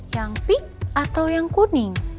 yang pink atau yang kuning